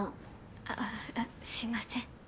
ああすいません。